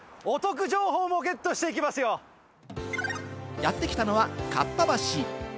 やってきたのは、かっぱ橋。